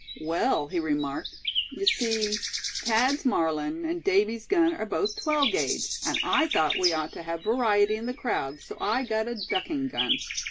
"Well," he remarked, "you see, Thad's Marlin, and Davy's gun are both twelve guage, and I thought we ought to have variety in the crowd, so I got a ducking gun.